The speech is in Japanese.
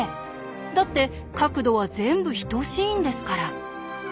だって角度は全部等しいんですから。